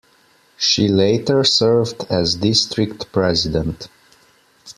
She later served as district president.